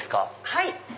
はい。